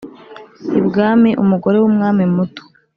Ibwami umugore wumwami muto